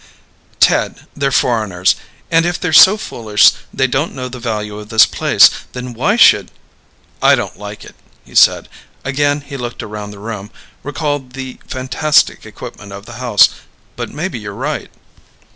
"Ted, they're foreigners. And if they're so foolish they don't know the value of this place, then why should " "I don't like it," he said. Again he looked around the room, recalled the fantastic equipment of the house. "But maybe you're right."